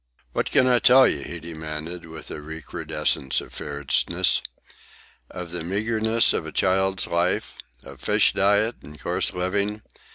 "What can I tell you?" he demanded, with a recrudescence of fierceness. "Of the meagreness of a child's life? of fish diet and coarse living?